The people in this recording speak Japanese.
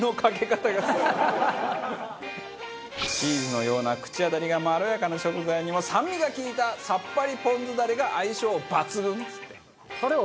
チーズのような口当たりがまろやかな食材には酸味が利いたさっぱりポン酢ダレが相性抜群！